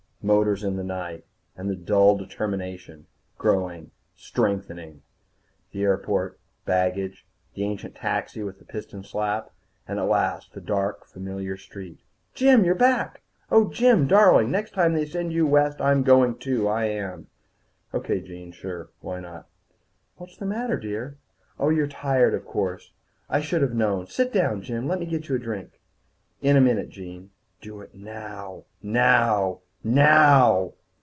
Motors in the night. And the dull determination growing, strengthening. The airport, baggage, the ancient taxi with the piston slap, and at last the dark, familiar street. "Jim, you're back! Oh, Jim, darling. Next time they send you west I'm going too. I am!" "Okay, Jean, sure. Why not?" "What's the matter, dear? Oh, you're tired, of course. I should have known. Sit down, Jim. Let me get you a drink." "In a minute, Jean." Do it now now NOW!